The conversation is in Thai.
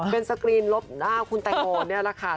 เป็นสกรีนรถคุณแตงโบนี่แหละค่ะ